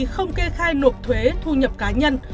không kê khai nộp thuế thu nhập cá nhân